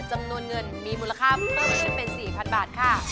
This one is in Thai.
จำนวนเงินมีมูลค่าเพิ่มขึ้นเป็น๔๐๐๐บาทค่ะ